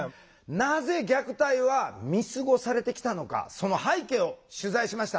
なぜ虐待は見過ごされてきたのかその背景を取材しました。